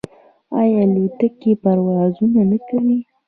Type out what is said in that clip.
آیا الوتکې پروازونه نه کوي؟